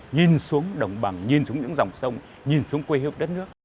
nhìn xuống đồng bằng nhìn xuống những dòng sông nhìn xuống quê hương đất nước